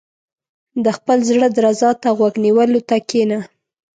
• د خپل زړۀ درزا ته غوږ نیولو ته کښېنه.